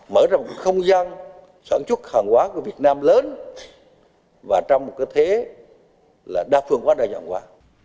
mở ra một cái không gian sản xuất hàng hóa của việt nam lớn và trong một cái thế là đa phương hóa đa dạng hóa